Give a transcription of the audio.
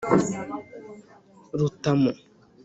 Rutamu.